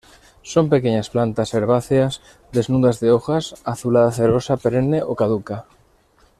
Son pequeñas plantas herbáceas desnudas de hojas, azulada cerosa perenne o caduca.